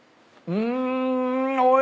うん。